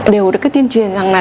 đều được tiên truyền rằng là